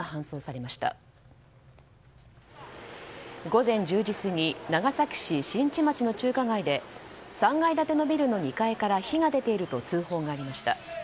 午前１０時過ぎ長崎市新地町の中華街で３階建てのビルの２階から火が出ていると通報がありました。